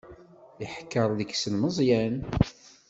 Iḥekker deg-sen Meẓyan.